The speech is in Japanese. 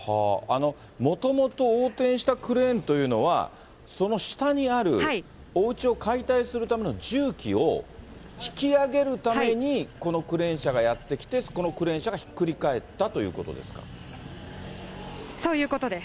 もともと横転したクレーンというのは、その下にあるおうちを解体するための重機を引き上げるためにこのクレーン車がやって来て、このクレーン車がひっくり返ったというそういうことです。